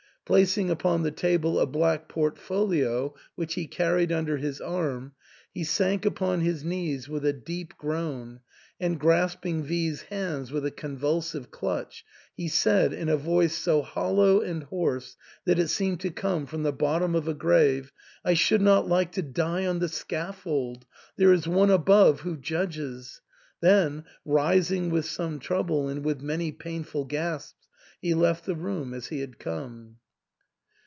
Placing upon the table a black portfolio which he carried under his arm, he sank upon his knees with a deep groan, and grasping V 's hands with a convulsive clutch he said, in a voice so hollow and hoarse that it seemed to come from the bot tom of a grave, I should not like to die on the scaf fold ! There is One above who judges !" Then, rising with some trouble and with many painful gasps, he left the room as he had come.